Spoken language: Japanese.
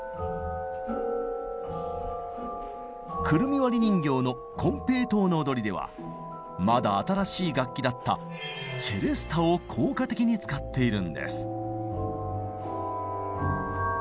「くるみ割り人形」の「こんぺい糖の踊り」ではまだ新しい楽器だったチェレスタを効果的に使っているんです。